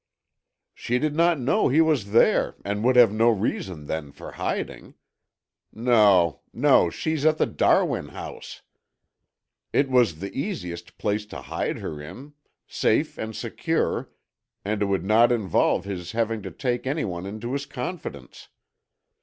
"She did not know he was there and would have no reason then for hiding. No, no, she's at the Darwin house. It was the easiest place to hide her in, safe and secure, and it would not involve his having to take anyone into his confidence.